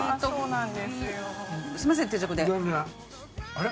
あれ？